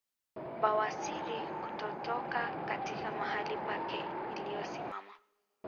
Bawasiri kutotoka katika mahali pake iliyosimama